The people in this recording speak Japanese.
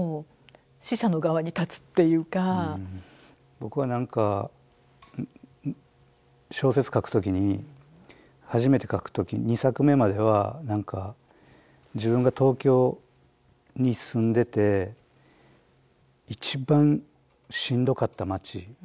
僕は何か小説書く時に初めて書く時２作目までは自分が東京に住んでて一番しんどかった街。